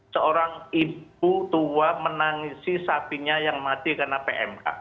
seorang ibu tua menangisi sapinya yang mati karena pmk